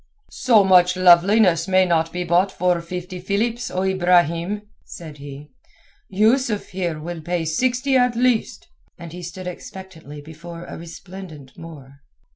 "So much loveliness may not be bought for fifty Philips, O Ibrahim," said he. "Yusuf here will pay sixty at least." And he stood expectantly before a resplendent Moor.